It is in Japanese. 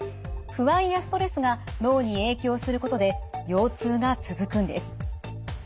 不安やストレスが脳に影響することで腰痛が続くんです。